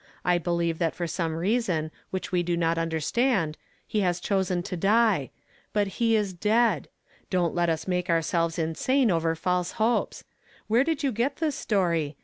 I believe that for some reason whicli we do not understand, he has chosen to die ; but he is dead. Don't let u . make oui selves insane over false hopes. Where did you get this story?